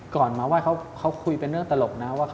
ก่อนมาไหว้เขาคุยเป็นเรื่องตลกนะว่า